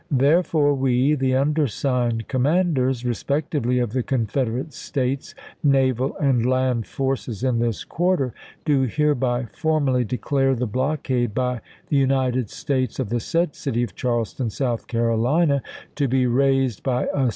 Therefore, we, the undersigned commanders, re spectively, of the Confederate States naval and land forces in this quarter, do hereby formally declare ^XSd tne blockade by the United States of the said city pSama °f Charleston, South Carolina, to be raised by a w.